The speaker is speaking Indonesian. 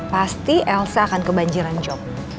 pasti elsa akan kebanjiran job